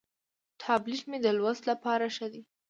ټابلیټ مې د لوست لپاره ښه دی.